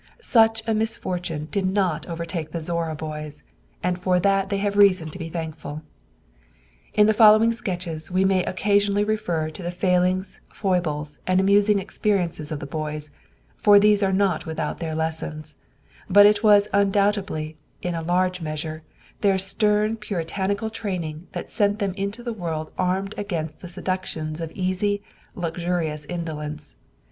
Such a misfortune did not overtake the Zorra boys, and for that they have reason to be thankful. In the following sketches we may occasionally refer to the failings, foibles and amusing experiences of the boys, for these are not without their lessons; but it was undoubtedly, in a large measure, their stern Puritanical training that sent them into the world armed against the seductions of easy, luxurious indolence.